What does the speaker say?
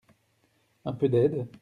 Un peu d’aide ?